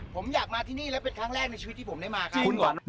ผมอยากมาที่นี่แล้วเป็นครั้งแรกในชีวิตที่ผมได้มาครับ